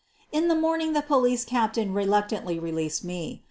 In the morning the police captain reluctantly re leased me.